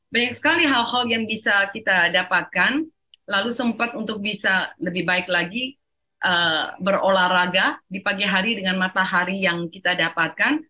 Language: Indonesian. banyak sekali hal hal yang bisa kita dapatkan lalu sempat untuk bisa lebih baik lagi berolahraga di pagi hari dengan matahari yang kita dapatkan